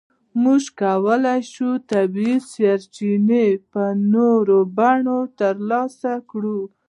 موږ کولای شو طبیعي سرچینې په نورو بڼو ترلاسه کړو.